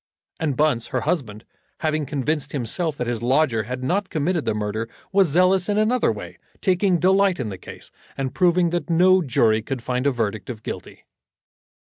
And Bunce, her husband, having convinced himself that his lodger had not committed the murder, was zealous in another way, taking delight in the case, and proving that no jury could find a verdict of guilty.